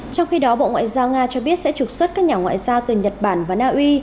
trong khi đó bộ ngoại giao nga cho biết sẽ trục xuất các nhà ngoại giao từ nhật bản và naui